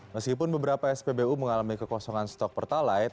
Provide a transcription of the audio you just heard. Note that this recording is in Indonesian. meskipun beberapa spbu mengalami kekosongan stok pertalite